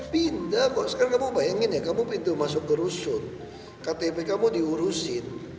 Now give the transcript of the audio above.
pindah kok sekarang kamu bayangin ya kamu pintu masuk ke rusun ktp kamu diurusin